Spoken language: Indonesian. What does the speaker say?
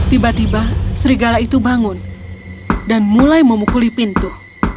tiba tiba serigala itu bangun dan mulai memukuli pintu